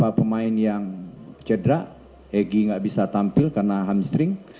dan misalnya keppx lu yg nyoveb reggianat sun bildur satu yang r empat perang